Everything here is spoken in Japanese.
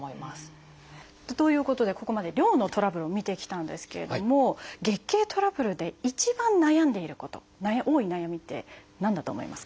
ということでここまで量のトラブルを見てきたんですけれども月経トラブルで一番悩んでいること多い悩みって何だと思いますか？